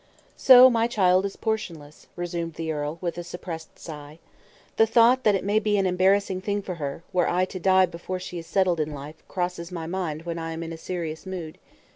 "So my child is portionless," resumed the earl, with a suppressed sigh. "The thought that it may be an embarrassing thing for her, were I to die before she is settled in life, crosses my mind when I am in a serious mood.